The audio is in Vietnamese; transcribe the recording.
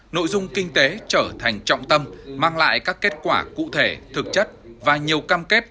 nội dung kinh tế trở thành trọng tâm mang lại các kết quả cụ thể thực chất và nhiều cam kết